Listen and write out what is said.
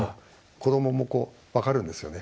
子供もこう分かるんですよね。